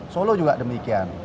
solo juga demikian